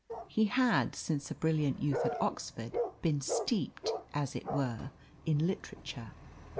He had, since a brilliant youth at Oxford, been steeped, as it were, in literature.